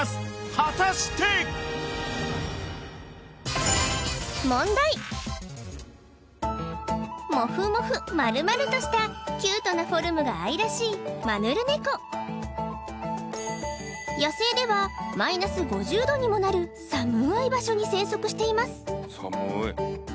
果たしてモフモフ丸々としたキュートなフォルムが愛らしいマヌルネコ野生では−５０℃にもなる寒ーい場所に生息しています